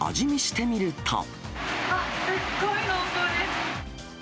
あっ、すごい濃厚ですね。